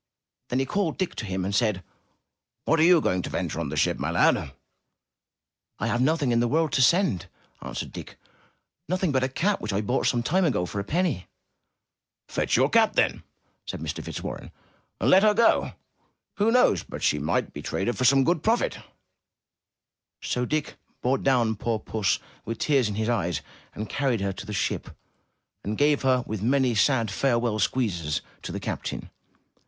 Then he called Dick to him and said, "What are you going to venture on the ship, my lad?'' "I have nothing in the world to send,'' answered Dick, "nothing but a cat which I bought some time ago for a penny.'' "Fetch your cat, then," said Mr. Fitzwarren, "and let her go. Who knows but that she may be traded for some good profit?" 334 UP ONE PAIR OF STAIRS So Dick brought down poor Puss with tears in his eyes, carried her to the ship, and gave her with many sad farewell squeezes, to the captain.